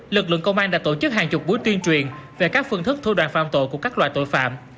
lực lượng công an đã tổ chức hàng chục buổi tuyên truyền về các phương thức thu đoàn phạm tội của các loại tội phạm